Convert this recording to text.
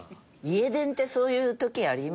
家電ってそういう時ありましたよね。